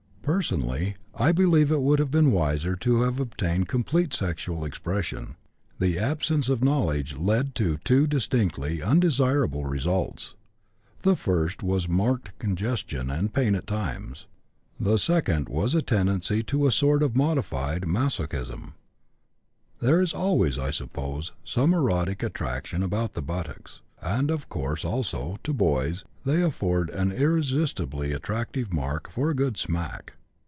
Personally, I believe it would have been wiser to have obtained complete sexual expression. The absence of knowledge led to two distinctly undesirable results. The first was marked congestion and pain at times; the second was a tendency to a sort of modified masochism. There is always, I suppose, some erotic attraction about the buttocks, and of course also, to boys, they afford an irresistibly attractive mark for a good smack.